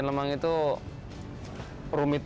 make lemang repetitif